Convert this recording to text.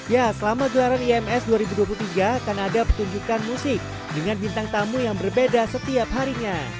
ya selama gelaran ims dua ribu dua puluh tiga akan ada pertunjukan musik dengan bintang tamu yang berbeda setiap harinya